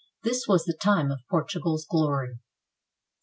This was the time of Portugal's glory.